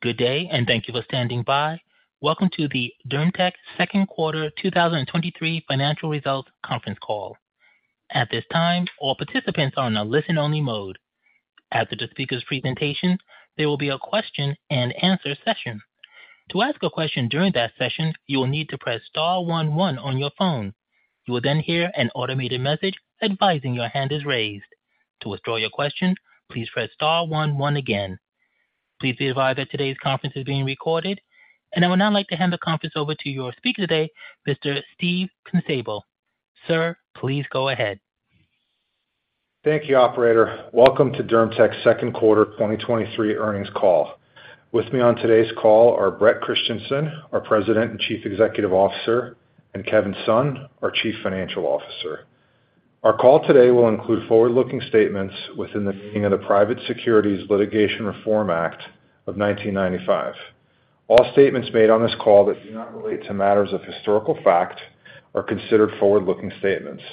Good day. Thank you for standing by. Welcome to the DermTech Second Quarter 2023 Financial Results Conference Call. At this time, all participants are on a listen-only mode. After the speakers' presentation, there will be a question and answer session. To ask a question during that session, you will need to press star one one on your phone. You will hear an automated message advising your hand is raised. To withdraw your question, please press star one one again. Please be advised that today's conference is being recorded. I would now like to hand the conference over to your speaker today, Mr. Steve Kunszabo. Sir, please go ahead. Thank you, operator. Welcome to DermTech's second quarter 2023 earnings call. With me on today's call are Bret Christensen, our President and Chief Executive Officer, and Kevin Sun, our Chief Financial Officer. Our call today will include forward-looking statements within the meaning of the Private Securities Litigation Reform Act of 1995. All statements made on this call that do not relate to matters of historical fact are considered forward-looking statements.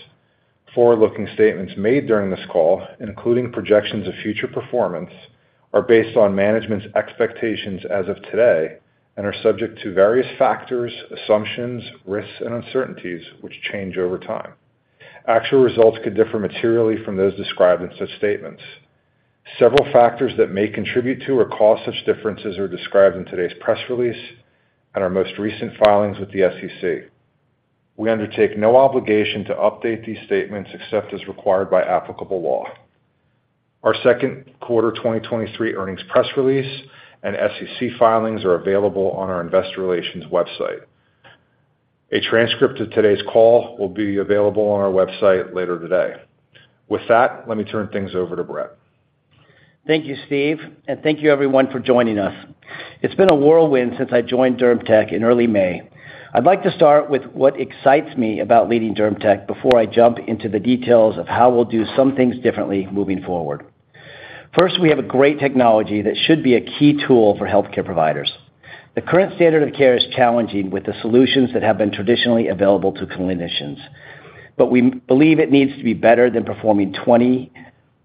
Forward-looking statements made during this call, including projections of future performance, are based on management's expectations as of today and are subject to various factors, assumptions, risks, and uncertainties, which change over time. Actual results could differ materially from those described in such statements. Several factors that may contribute to or cause such differences are described in today's press release and our most recent filings with the SEC. We undertake no obligation to update these statements except as required by applicable law. Our second quarter 2023 earnings press release and SEC filings are available on our investor relations website. A transcript of today's call will be available on our website later today. With that, let me turn things over to Bret. Thank you, Steve, thank you everyone for joining us. It's been a whirlwind since I joined DermTech in early May. I'd like to start with what excites me about leading DermTech before I jump into the details of how we'll do some things differently moving forward. First, we have a great technology that should be a key tool for healthcare providers. The current standard of care is challenging with the solutions that have been traditionally available to clinicians, but we believe it needs to be better than performing 20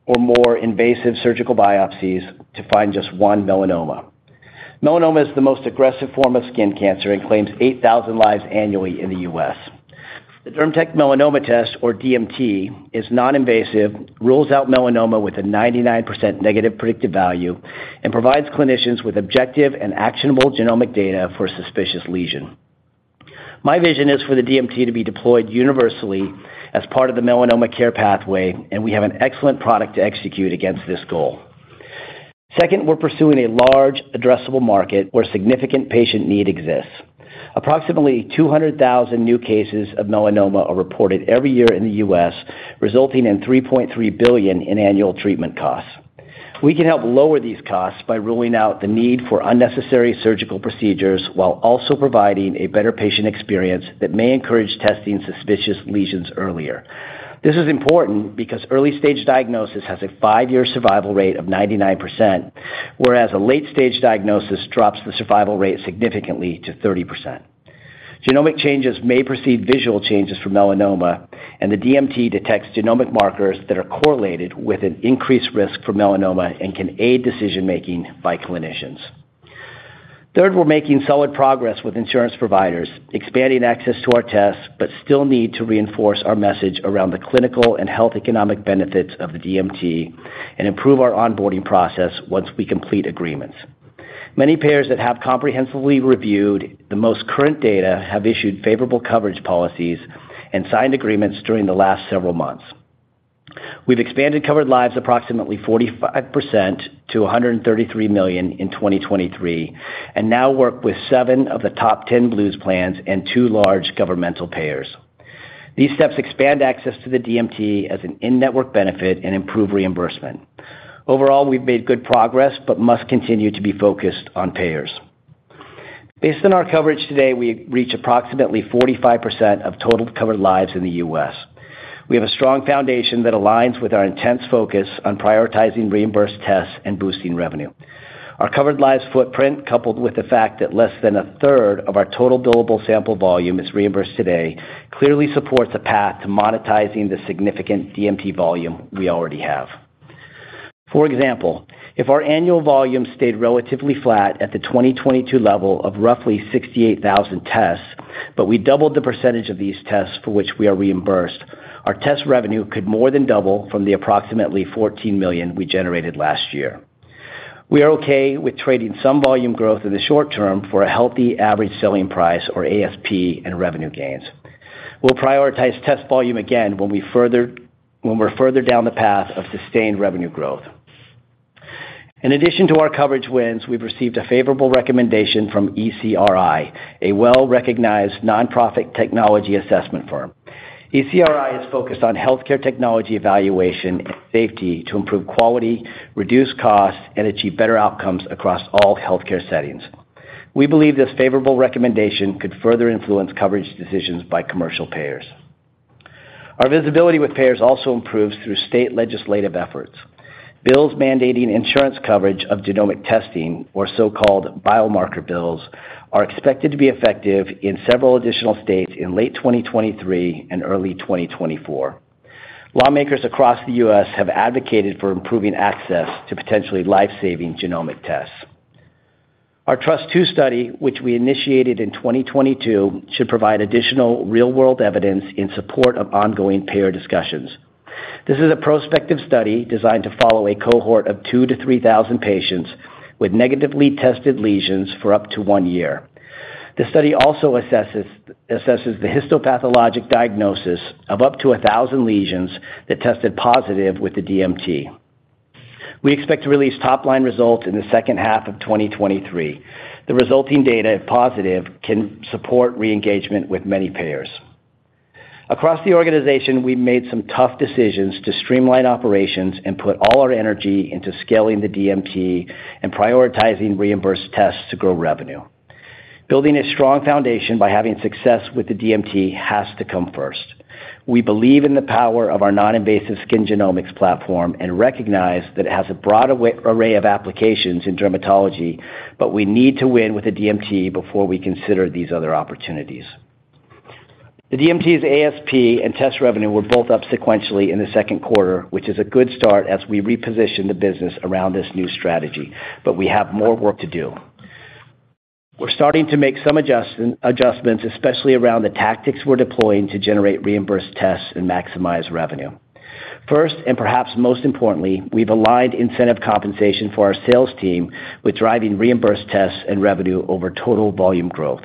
or more invasive surgical biopsies to find just one Melanoma. Melanoma is the most aggressive form of skin cancer and claims 8,000 lives annually in the US. The DermTech Melanoma Test, or DMT, is non-invasive, rules out Melanoma with a 99% negative predictive value, and provides clinicians with objective and actionable genomic data for suspicious lesion. My vision is for the DMT to be deployed universally as part of the Melanoma care pathway. We have an excellent product to execute against this goal. Second, we're pursuing a large addressable market where significant patient need exists. Approximately 200,000 new cases of Melanoma are reported every year in the US, resulting in $3.3 billion in annual treatment costs. We can help lower these costs by ruling out the need for unnecessary surgical procedures, while also providing a better patient experience that may encourage testing suspicious lesions earlier. This is important because early-stage diagnosis has a five-year survival rate of 99%, whereas a late-stage diagnosis drops the survival rate significantly to 30%. Genomic changes may precede visual changes from Melanoma. The DMT detects genomic markers that are correlated with an increased risk for Melanoma and can aid decision-making by clinicians. Third, we're making solid progress with insurance providers, expanding access to our tests, but still need to reinforce our message around the clinical and health economic benefits of the DMT and improve our onboarding process once we complete agreements. Many payers that have comprehensively reviewed the most current data have issued favorable coverage policies and signed agreements during the last several months. We've expanded covered lives approximately 45% to 133 million in 2023, and now work with seven of the top 10 Blues plans and two large governmental payers. These steps expand access to the DMT as an in-network benefit and improve reimbursement. Overall, we've made good progress but must continue to be focused on payers. Based on our coverage today, we reach approximately 45% of total covered lives in the US. We have a strong foundation that aligns with our intense focus on prioritizing reimbursed tests and boosting revenue. Our covered lives footprint, coupled with the fact that less than a third of our total billable sample volume is reimbursed today, clearly supports a path to monetizing the significant DMT volume we already have. For example, if our annual volume stayed relatively flat at the 2022 level of roughly 68,000 tests, but we doubled the % of these tests for which we are reimbursed, our test revenue could more than double from the approximately $14 million we generated last year. We are okay with trading some volume growth in the short term for a healthy average selling price, or ASP, and revenue gains. We'll prioritize test volume again when we're further down the path of sustained revenue growth. In addition to our coverage wins, we've received a favorable recommendation from ECRI, a well-recognized nonprofit technology assessment firm. ECRI is focused on healthcare technology, evaluation, and safety to improve quality, reduce costs, and achieve better outcomes across all healthcare settings. We believe this favorable recommendation could further influence coverage decisions by commercial payers. Our visibility with payers also improves through state legislative efforts. Bills mandating insurance coverage of genomic testing, or so-called biomarker bills, are expected to be effective in several additional states in late 2023 and early 2024. Lawmakers across the US have advocated for improving access to potentially life-saving genomic tests. Our TRUST 2 study, which we initiated in 2022, should provide additional real-world evidence in support of ongoing payer discussions. This is a prospective study designed to follow a cohort of 2,000-3,000 patients with negatively tested lesions for up to one year. The study also assesses the histopathologic diagnosis of up to 1,000 lesions that tested positive with the DMT. We expect to release top-line results in the second half of 2023. The resulting data, if positive, can support re-engagement with many payers. Across the organization, we've made some tough decisions to streamline operations and put all our energy into scaling the DMT and prioritizing reimbursed tests to grow revenue. Building a strong foundation by having success with the DMT has to come first. We believe in the power of our non-invasive skin genomics platform and recognize that it has a broad array of applications in dermatology, but we need to win with the DMT before we consider these other opportunities. The DMT's ASP and test revenue were both up sequentially in the second quarter, which is a good start as we reposition the business around this new strategy, but we have more work to do. We're starting to make some adjustments, especially around the tactics we're deploying to generate reimbursed tests and maximize revenue. First, and perhaps most importantly, we've aligned incentive compensation for our sales team with driving reimbursed tests and revenue over total volume growth.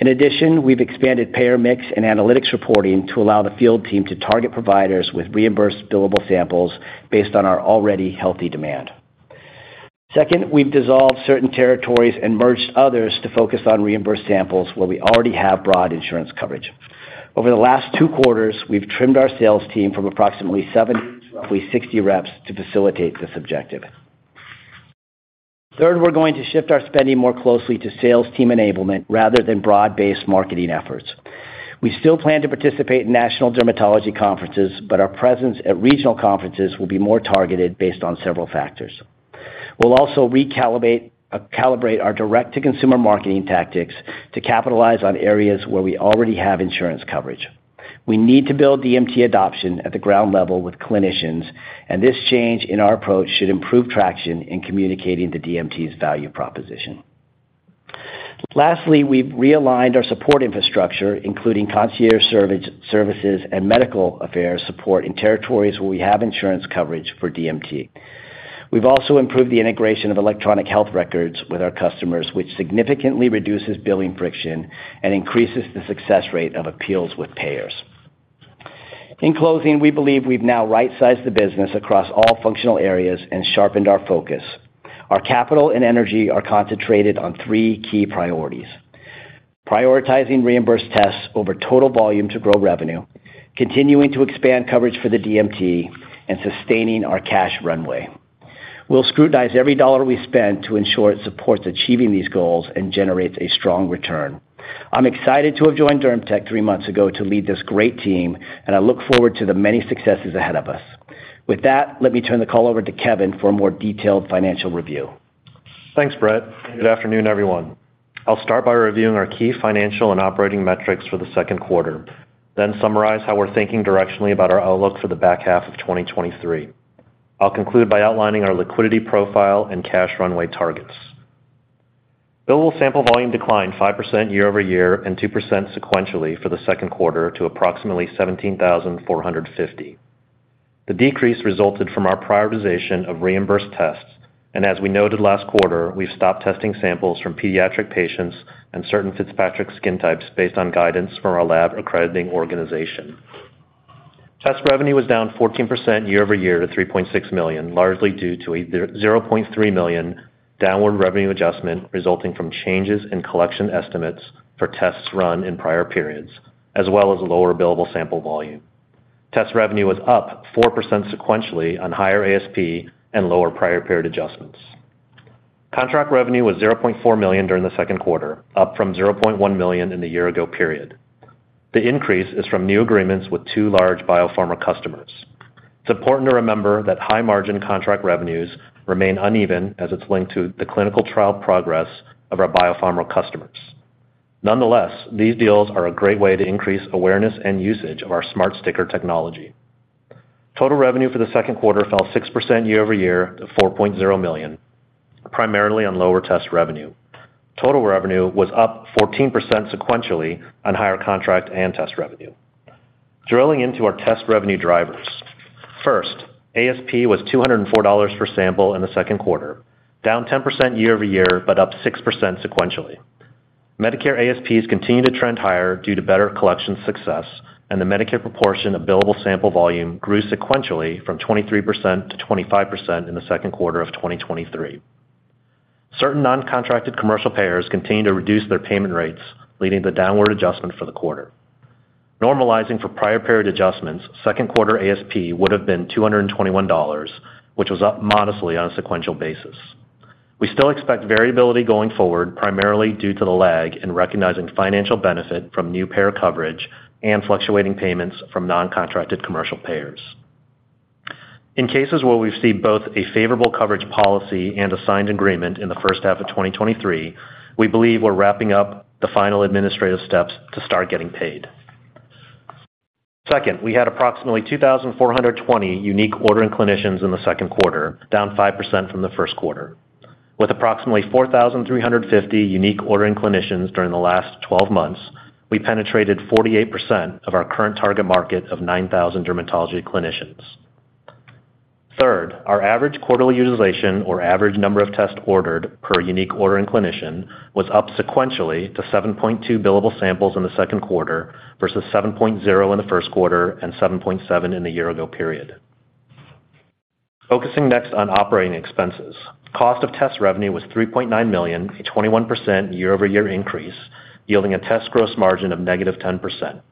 In addition, we've expanded payer mix and analytics reporting to allow the field team to target providers with reimbursed billable samples based on our already healthy demand. Second, we've dissolved certain territories and merged others to focus on reimbursed samples where we already have broad insurance coverage. Over the last two quarters, we've trimmed our sales team from approximately [70 to 60] reps to facilitate this objective. Third, we're going to shift our spending more closely to sales team enablement rather than broad-based marketing efforts. We still plan to participate in national dermatology conferences, but our presence at regional conferences will be more targeted based on several factors. We'll also recalibrate, calibrate our direct-to-consumer marketing tactics to capitalize on areas where we already have insurance coverage. We need to build DMT adoption at the ground level with clinicians, and this change in our approach should improve traction in communicating the DMT's value proposition. Lastly, we've realigned our support infrastructure, including concierge services and medical affairs support in territories where we have insurance coverage for DMT. We've also improved the integration of electronic health records with our customers, which significantly reduces billing friction and increases the success rate of appeals with payers. In closing, we believe we've now right-sized the business across all functional areas and sharpened our focus. Our capital and energy are concentrated on three key priorities: prioritizing reimbursed tests over total volume to grow revenue, continuing to expand coverage for the DMT, and sustaining our cash runway. We'll scrutinize every dollar we spend to ensure it supports achieving these goals and generates a strong return. I'm excited to have joined DermTech three months ago to lead this great team, and I look forward to the many successes ahead of us. With that, let me turn the call over to Kevin for a more detailed financial review. Thanks, Bret. Good afternoon, everyone. I'll start by reviewing our key financial and operating metrics for the second quarter, then summarize how we're thinking directionally about our outlook for the back half of 2023. I'll conclude by outlining our liquidity profile and cash runway targets. Billable sample volume declined 5% year-over-year and 2% sequentially for the second quarter to approximately 17,450. The decrease resulted from our prioritization of reimbursed tests, as we noted last quarter, we've stopped testing samples from pediatric patients and certain Fitzpatrick skin types based on guidance from our lab accrediting organization. Test revenue was down 14% year-over-year to $3.6 million, largely due to a $0.3 million downward revenue adjustment resulting from changes in collection estimates for tests run in prior periods, as well as lower billable sample volume. Test revenue was up 4% sequentially on higher ASP and lower prior period adjustments. Contract revenue was $0.4 million during the second quarter, up from $0.1 million in the year ago period. The increase is from new agreements with two large biopharma customers. It's important to remember that high-margin contract revenues remain uneven as it's linked to the clinical trial progress of our biopharma customers. Nonetheless, these deals are a great way to increase awareness and usage of our Smart Sticker technology. Total revenue for the second quarter fell 6% year-over-year to $4.0 million, primarily on lower test revenue. Total revenue was up 14% sequentially on higher contract and test revenue. Drilling into our test revenue drivers. First, ASP was $204 per sample in the second quarter, down 10% year-over-year, but up 6% sequentially. Medicare ASPs continue to trend higher due to better collection success, and the Medicare proportion of billable sample volume grew sequentially from 23% to 25% in the second quarter of 2023. Certain non-contracted commercial payers continued to reduce their payment rates, leading to downward adjustment for the quarter. Normalizing for prior period adjustments, second quarter ASP would have been $221, which was up modestly on a sequential basis. We still expect variability going forward, primarily due to the lag in recognizing financial benefit from new payer coverage and fluctuating payments from non-contracted commercial payers. In cases where we've seen both a favorable coverage policy and a signed agreement in the first half of 2023, we believe we're wrapping up the final administrative steps to start getting paid. Second, we had approximately 2,420 unique ordering clinicians in the second quarter, down 5% from the first quarter. With approximately 4,350 unique ordering clinicians during the last 12 months, we penetrated 48% of our current target market of 9,000 dermatology clinicians. Third, our average quarterly utilization, or average number of tests ordered per unique ordering clinician, was up sequentially to 7.2 billable samples in the second quarter versus 7.0 in the first quarter and 7.7 in the year ago period. Focusing next on operating expenses. Cost of test revenue was $3.9 million, a 21% year-over-year increase, yielding a test gross margin of negative 10%.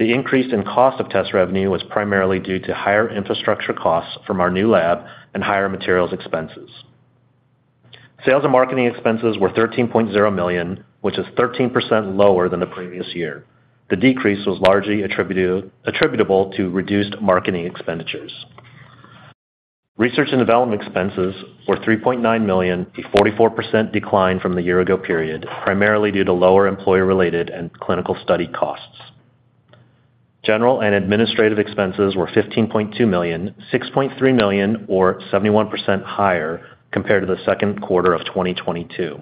The increase in cost of test revenue was primarily due to higher infrastructure costs from our new lab and higher materials expenses. Sales and marketing expenses were $13.0 million, which is 13% lower than the previous year. The decrease was largely attributable to reduced marketing expenditures. Research and development expenses were $3.9 million, a 44% decline from the year ago period, primarily due to lower employer-related and clinical study costs. General and administrative expenses were $15.2 million, $6.3 million, or 71% higher compared to the second quarter of 2022.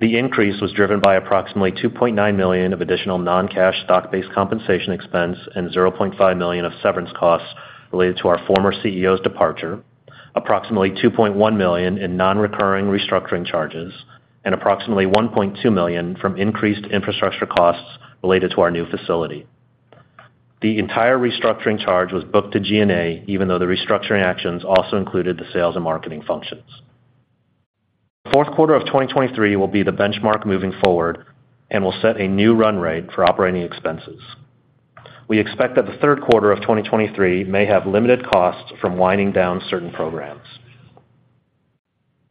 The increase was driven by approximately $2.9 million of additional non-cash stock-based compensation expense and $0.5 million of severance costs related to our former CEO's departure, approximately $2.1 million in nonrecurring restructuring charges, and approximately $1.2 million from increased infrastructure costs related to our new facility. The entire restructuring charge was booked to G&A, even though the restructuring actions also included the sales and marketing functions. The fourth quarter of 2023 will be the benchmark moving forward and will set a new run rate for operating expenses. We expect that the third quarter of 2023 may have limited costs from winding down certain programs.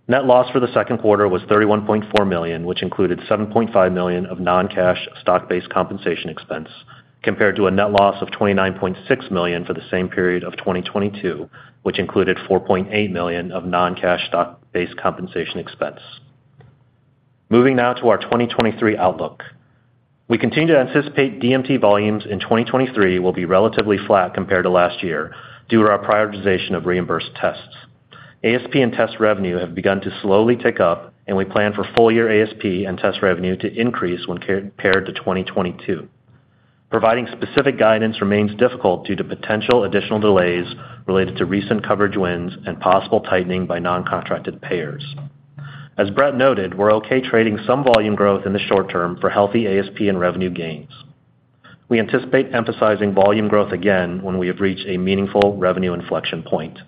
Net loss for the second quarter was $31.4 million, which included $7.5 million of non-cash stock-based compensation expense, compared to a net loss of $29.6 million for the same period of 2022, which included $4.8 million of non-cash stock-based compensation expense. Moving now to our 2023 outlook. We continue to anticipate DMT volumes in 2023 will be relatively flat compared to last year due to our prioritization of reimbursed tests. ASP and test revenue have begun to slowly tick up, and we plan for full year ASP and test revenue to increase when compared to 2022. Providing specific guidance remains difficult due to potential additional delays related to recent coverage wins and possible tightening by non-contracted payers. As Bret noted, we're okay trading some volume growth in the short term for healthy ASP and revenue gains. We anticipate emphasizing volume growth again when we have reached a meaningful revenue inflection point.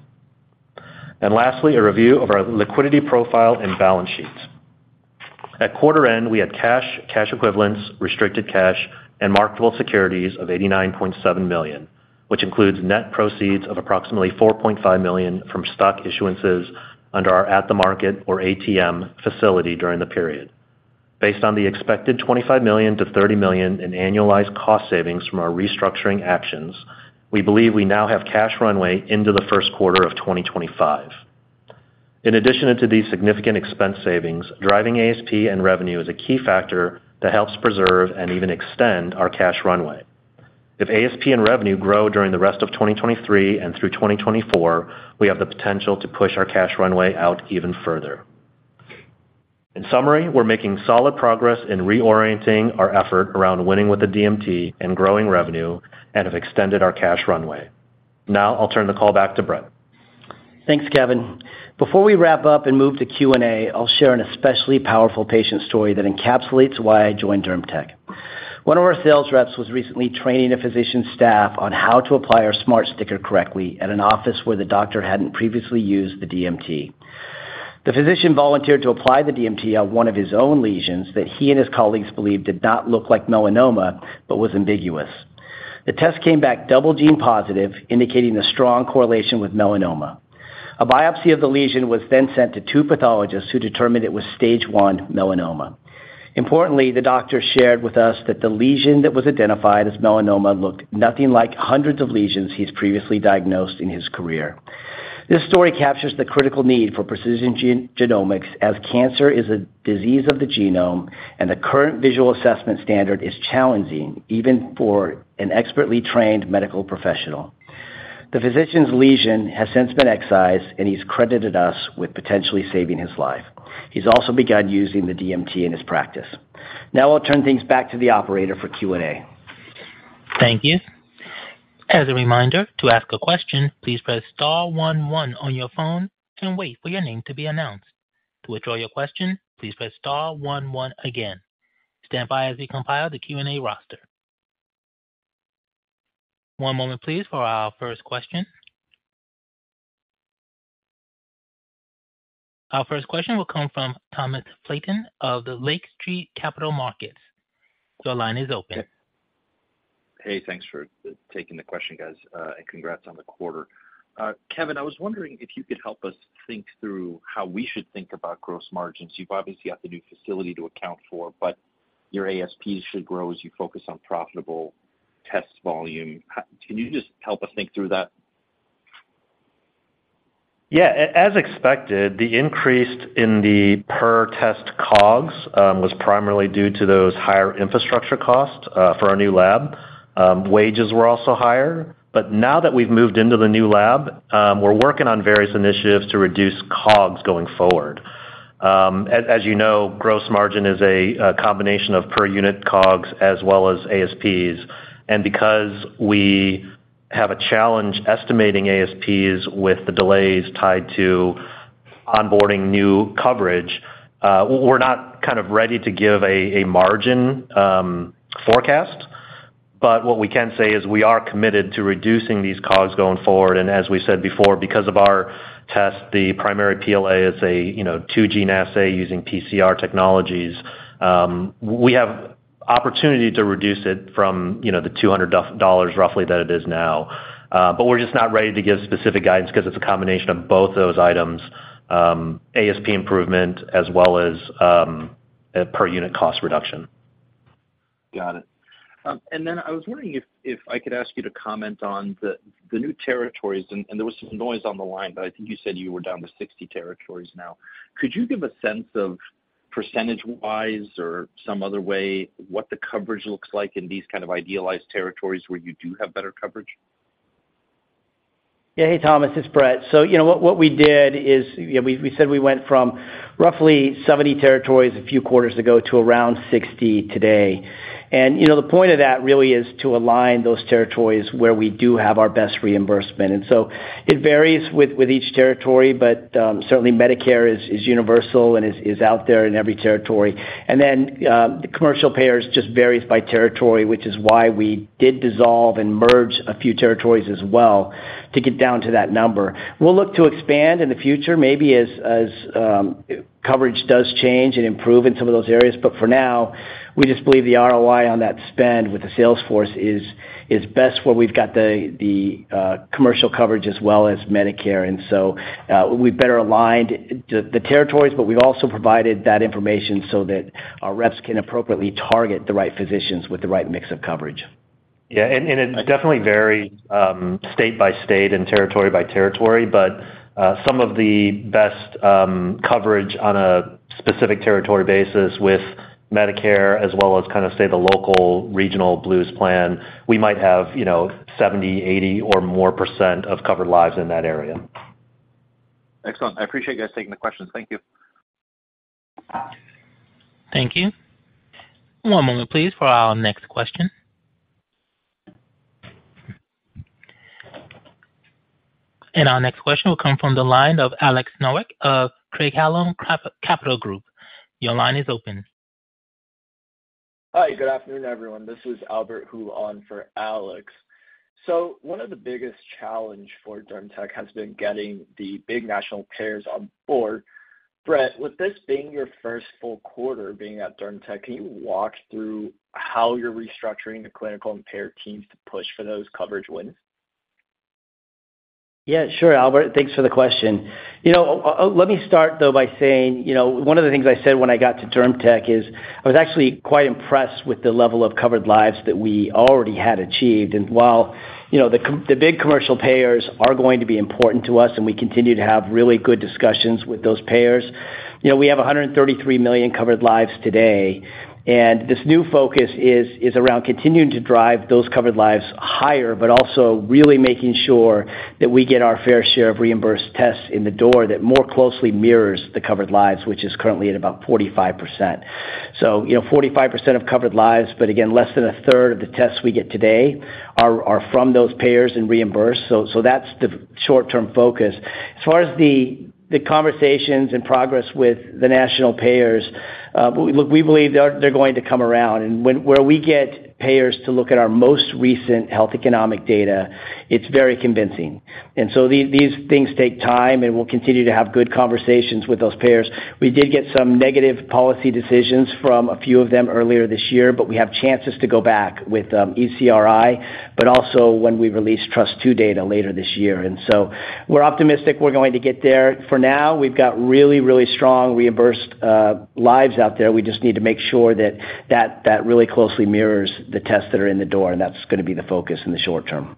Lastly, a review of our liquidity profile and balance sheets. At quarter end, we had cash, cash equivalents, restricted cash, and marketable securities of $89.7 million, which includes net proceeds of approximately $4.5 million from stock issuances under our at the market, or ATM, facility during the period. Based on the expected $25 million-$30 million in annualized cost savings from our restructuring actions, we believe we now have cash runway into the first quarter of 2025. In addition to these significant expense savings, driving ASP and revenue is a key factor that helps preserve and even extend our cash runway. If ASP and revenue grow during the rest of 2023 and through 2024, we have the potential to push our cash runway out even further. In summary, we're making solid progress in reorienting our effort around winning with the DMT and growing revenue and have extended our cash runway. Now I'll turn the call back to Bret. Thanks, Kevin. Before we wrap up and move to Q&A, I'll share an especially powerful patient story that encapsulates why I joined DermTech. One of our sales reps was recently training a physician's staff on how to apply our Smart Sticker correctly at an office where the doctor hadn't previously used the DMT. The physician volunteered to apply the DMT on one of his own lesions that he and his colleagues believed did not look like Melanoma, but was ambiguous. The test came back double gene positive, indicating a strong correlation with Melanoma. A biopsy of the lesion was then sent to two pathologists, who determined it was stage one Melanoma. Importantly, the doctor shared with us that the lesion that was identified as Melanoma looked nothing like hundreds of lesions he's previously diagnosed in his career. This story captures the critical need for precision genomics, as cancer is a disease of the genome, and the current visual assessment standard is challenging, even for an expertly trained medical professional. The physician's lesion has since been excised, and he's credited us with potentially saving his life. He's also begun using the DMT in his practice. Now I'll turn things back to the operator for Q&A. Thank you. As a reminder, to ask a question, please press star one one on your phone and wait for your name to be announced. To withdraw your question, please press star one one again. Stand by as we compile the Q&A roster. One moment, please, for our first question. Our first question will come from Thomas Flaten of the Lake Street Capital Markets. Your line is open. Hey, thanks for taking the question, guys, and congrats on the quarter. Kevin, I was wondering if you could help us think through how we should think about gross margins. You've obviously got the new facility to account for, but your ASP should grow as you focus on profitable test volume. Can you just help us think through that? Yeah, as expected, the increase in the per test COGS was primarily due to those higher infrastructure costs for our new lab. Wages were also higher, but now that we've moved into the new lab, we're working on various initiatives to reduce COGS going forward. As, as you know, gross margin is a combination of per unit COGS as well as ASPs. Because we have a challenge estimating ASPs with the delays tied to onboarding new coverage, we're not kind of ready to give a margin forecast. What we can say is we are committed to reducing these COGS going forward. As we said before, because of our test, the primary PLA is a two-gene assay using PCR technologies, we have opportunity to reduce it from the $200 roughly that it is now. We're just not ready to give specific guidance because it's a combination of both those items, ASP improvement as well as a per-unit cost reduction. Got it. I was wondering if, if I could ask you to comment on the, the new territories, and, and there was some noise on the line, but I think you said you were down to 60 territories now. Could you give a sense of percentage-wise or some other way, what the coverage looks like in these kind of idealized territories where you do have better coverage? Yeah. Hey, Thomas, it's Bret. You know, what, what we did is, you know, we, we said we went from roughly 70 territories a few quarters ago to around 60 today. You know, the point of that really is to align those territories where we do have our best reimbursement. It varies with, with each territory, but certainly Medicare is, is universal and is, is out there in every territory. The commercial payers just varies by territory, which is why we did dissolve and merge a few territories as well to get down to that number. We'll look to expand in the future, maybe as, as coverage does change and improve in some of those areas. For now, we just believe the ROI on that spend with the sales force is, is best where we've got the, the commercial coverage as well as Medicare. So, we've better aligned the, the territories, but we've also provided that information so that our reps can appropriately target the right physicians with the right mix of coverage. Yeah, and, and it definitely vary, state by state and territory by territory. Some of the best, coverage on a specific territory basis with Medicare, as well as kind of, say, the local regional Blues plan, we might have, you know, 70%, 80% or more percent of covered lives in that area. Excellent. I appreciate you guys taking the questions. Thank you. Thank you. One moment, please, for our next question. Our next question will come from the line of Alex Nowak of Craig-Hallum Capital Group. Your line is open. Hi, good afternoon, everyone. This is Albert Hu, on for Alex. One of the biggest challenge for DermTech has been getting the big national payers on board. Bret, with this being your first full quarter being at DermTech, can you walk through how you're restructuring the clinical and payer teams to push for those coverage wins? Yeah, sure, Albert, thanks for the question. You know, let me start, though, by saying, you know, one of the things I said when I got to DermTech is I was actually quite impressed with the level of covered lives that we already had achieved. And while, you know, the big commercial payers are going to be important to us, and we continue to have really good discussions with those payers, you know, we have 133 million covered lives today, and this new focus is, is around continuing to drive those covered lives higher, but also really making sure that we get our fair share of reimbursed tests in the door that more closely mirrors the covered lives, which is currently at about 45%. you know, 45% of covered lives, but again, less than a third of the tests we get today are, are from those payers and reimbursed. That's the short-term focus. As far as the, the conversations and progress with the national payers, look, we believe they're, they're going to come around. Where we get payers to look at our most recent health economic data, it's very convincing. These, these things take time, and we'll continue to have good conversations with those payers. We did get some negative policy decisions from a few of them earlier this year, but we have chances to go back with ECRI, but also when we release TRUST 2 data later this year. We're optimistic we're going to get there. For now, we've got really, really strong reimbursed lives out there. We just need to make sure that really closely mirrors the tests that are in the door. That's gonna be the focus in the short term.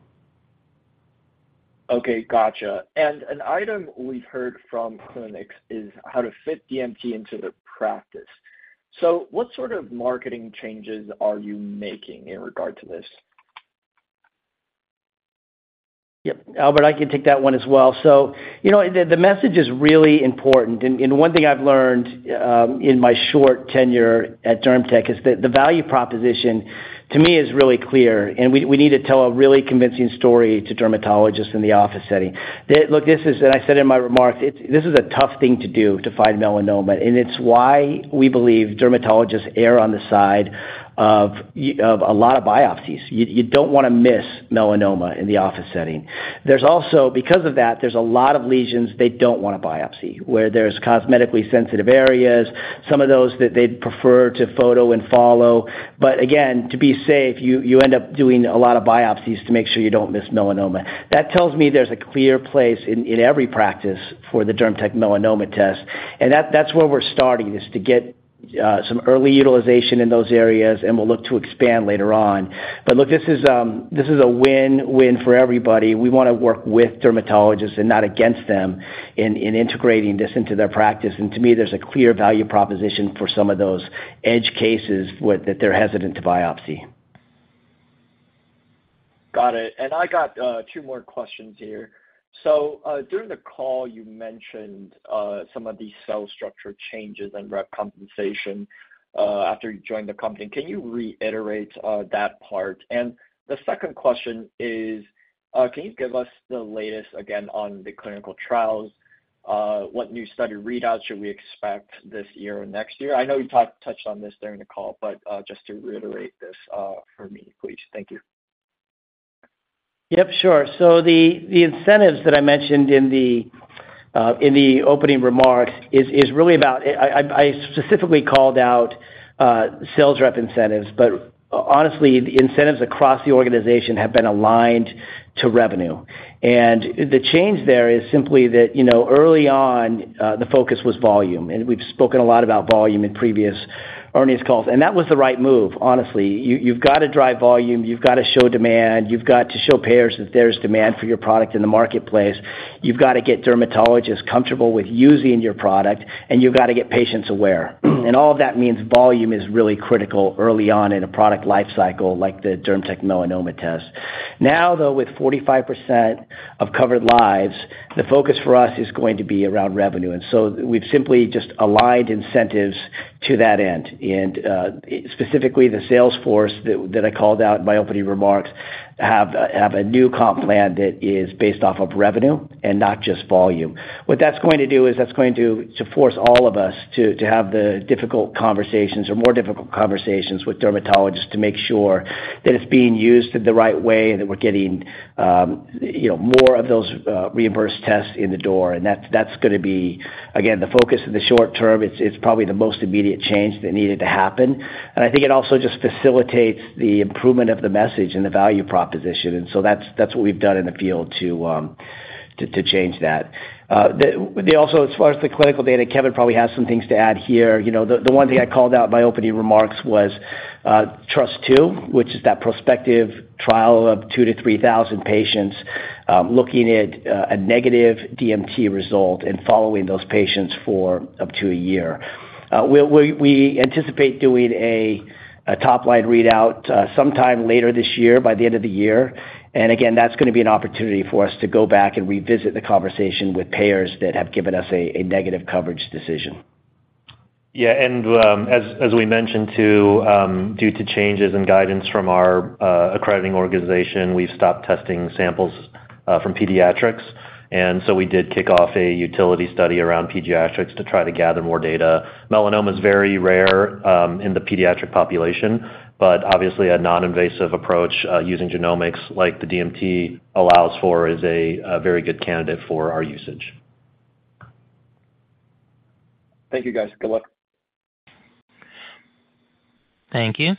Okay, gotcha. An item we've heard from clinics is how to fit DMT into the practice. What sort of marketing changes are you making in regard to this? Yep. Albert, I can take that one as well. You know, the, the message is really important, and, and one thing I've learned, in my short tenure at DermTech is that the value proposition to me is really clear, and we, we need to tell a really convincing story to dermatologists in the office setting. Look, this is, and I said in my remarks, this is a tough thing to do, to find Melanoma, and it's why we believe dermatologists err on the side of a lot of biopsies. You, you don't want to miss Melanoma in the office setting. There's also, because of that, there's a lot of lesions they don't want to biopsy, where there's cosmetically sensitive areas, some of those that they'd prefer to photo and follow. Again, to be safe, you, you end up doing a lot of biopsies to make sure you don't miss Melanoma. That tells me there's a clear place in, in every practice for the DermTech Melanoma Test, and that's where we're starting, is to get some early utilization in those areas, and we'll look to expand later on. Look, this is, this is a win-win for everybody. We want to work with dermatologists and not against them in, in integrating this into their practice. To me, there's a clear value proposition for some of those edge cases where that they're hesitant to biopsy. Got it. I got two more questions here. During the call, you mentioned some of these cell structure changes and rep compensation after you joined the company. Can you reiterate that part? The second question is, can you give us the latest again on the clinical trials? What new study readouts should we expect this year or next year? I know you touched on this during the call, but just to reiterate this for me, please. Thank you. Yep, sure. The, the incentives that I mentioned in the, in the opening remarks is, is really about... I, I, I specifically called out, sales rep incentives, but honestly, the incentives across the organization have been aligned to revenue. The change there is simply that, you know, early on, the focus was volume, and we've spoken a lot about volume in previous earnings calls, and that was the right move, honestly. You, you've got to drive volume, you've got to show demand, you've got to show payers that there's demand for your product in the marketplace. You've got to get dermatologists comfortable with using your product, and you've got to get patients aware. All of that means volume is really critical early on in a product lifecycle like the DermTech Melanoma Test. Now, though, with 45% of covered lives, the focus for us is going to be around revenue, so we've simply just aligned incentives to that end. Specifically, the sales force that, that I called out in my opening remarks have a, have a new comp plan that is based off of revenue and not just volume. What that's going to do is that's going to, to force all of us to, to have the difficult conversations or more difficult conversations with dermatologists to make sure that it's being used in the right way and that we're getting, you know, more of those, reimbursed tests in the door. That's, that's gonna be, again, the focus in the short term. It's, it's probably the most immediate change that needed to happen. I think it also just facilitates the improvement of the message and the value proposition. That's what we've done in the field to, to change that. Also, as far as the clinical data, Kevin probably has some things to add here. You know, the one thing I called out in my opening remarks was TRUST 2, which is that prospective trial of 2,000-3,000 patients, looking at a negative DMT result and following those patients for up to a year. We'll. We anticipate doing a top-line readout sometime later this year, by the end of the year. Again, that's gonna be an opportunity for us to go back and revisit the conversation with payers that have given us a negative coverage decision. Yeah, as, as we mentioned, too, due to changes in guidance from our accrediting organization, we've stopped testing samples from pediatrics. We did kick off a utility study around pediatrics to try to gather more data. Melanoma is very rare in the pediatric population, but obviously a non-invasive approach using genomics, like the DMT allows for, is a very good candidate for our usage. Thank you, guys. Good luck. Thank you.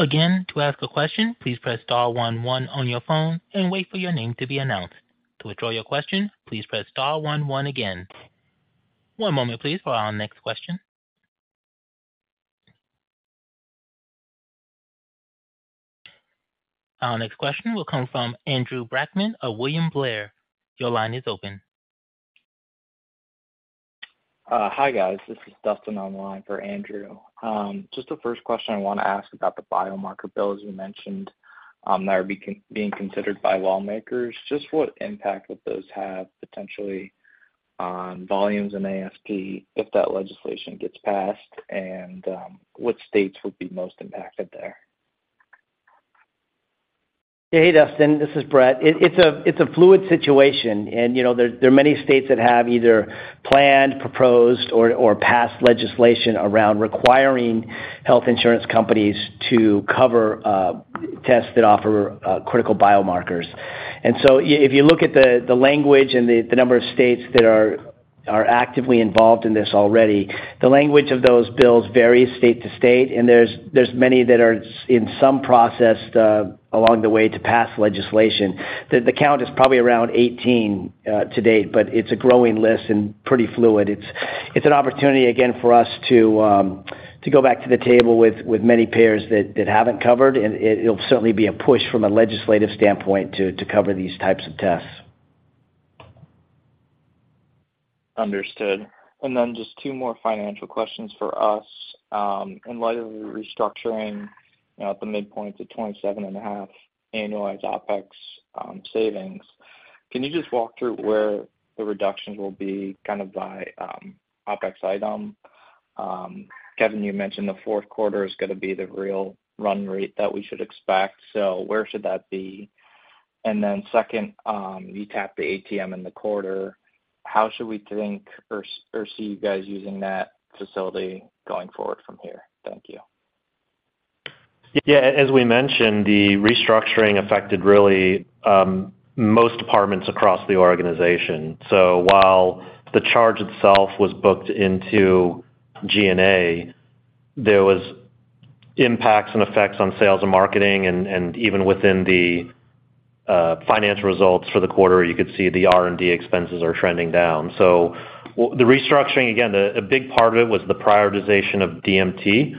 Again, to ask a question, please press star one one on your phone and wait for your name to be announced. To withdraw your question, please press star one one again. One moment, please, for our next question. Our next question will come from Andrew Brackmann of William Blair. Your line is open. Hi, guys. This is Dustin on the line for Andrew. Just the first question I want to ask about the biomarker bill, as you mentioned, that are being considered by lawmakers. Just what impact would those have potentially on volumes and ASP if that legislation gets passed, and what states would be most impacted there? Hey, Dustin, this is Bret. It's a fluid situation, you know, there are many states that have either planned, proposed, or passed legislation around requiring health insurance companies to cover tests that offer critical biomarkers. So if you look at the language and the number of states that are actively involved in this already, the language of those bills varies state to state, and there's many that are in some process along the way to pass legislation. The count is probably around 18 to date, but it's a growing list and pretty fluid. It's, it's an opportunity, again, for us to, to go back to the table with, with many payers that, that haven't covered, and it, it'll certainly be a push from a legislative standpoint to, to cover these types of tests. Understood. Then just two more financial questions for us. In light of the restructuring, at the midpoint to $27.5 annualized OpEx savings, can you just walk through where the reductions will be kind of by OpEx item? Kevin, you mentioned the fourth quarter is gonna be the real run rate that we should expect, so where should that be? Then second, you tapped the ATM in the quarter. How should we think or see you guys using that facility going forward from here? Thank you. Yeah, as we mentioned, the restructuring affected really, most departments across the organization. While the charge itself was booked into G&A, there was impacts and effects on sales and marketing, and even within the financial results for the quarter, you could see the R&D expenses are trending down. The restructuring, again, a big part of it was the prioritization of DMT,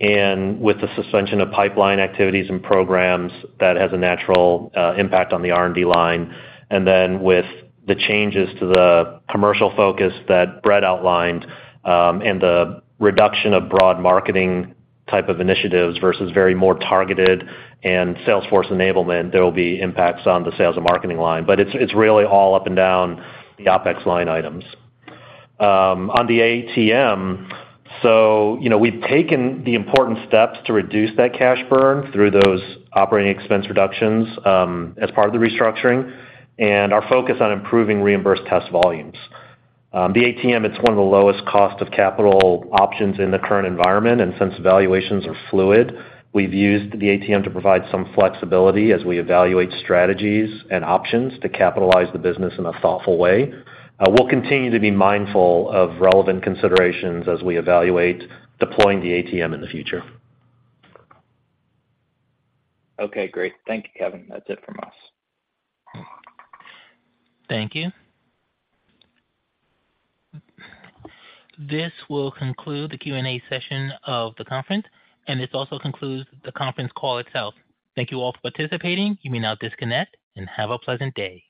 and with the suspension of pipeline activities and programs, that has a natural impact on the R&D line. With the changes to the commercial focus that Bret outlined, and the reduction of broad marketing type of initiatives versus very more targeted and salesforce enablement, there will be impacts on the sales and marketing line. It's, it's really all up and down the OpEx line items. On the ATM, you know, we've taken the important steps to reduce that cash burn through those operating expense reductions as part of the restructuring and are focused on improving reimbursed test volumes. The ATM, it's one of the lowest cost of capital options in the current environment, and since valuations are fluid, we've used the ATM to provide some flexibility as we evaluate strategies and options to capitalize the business in a thoughtful way. We'll continue to be mindful of relevant considerations as we evaluate deploying the ATM in the future. Okay, great. Thank you, Kevin. That's it from us. Thank you. This will conclude the Q&A session of the conference, and this also concludes the conference call itself. Thank you all for participating. You may now disconnect and have a pleasant day.